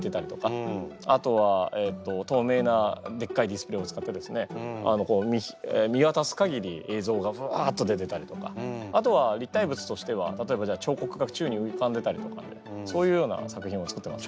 あとは透明なでっかいディスプレーを使ってですね見わたすかぎりえいぞうがブワッと出てたりとかあとは立体物としては例えばじゃあちょうこくがちゅうにうかんでたりとかそういうような作品を作ってます。